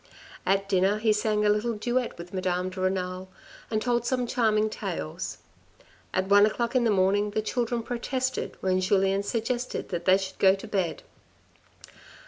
After dinner he sang a little duet with Madame de Renal, and told some charming tales. At one o'clock in the morning the children protested, when Julien suggested that they should go to bed.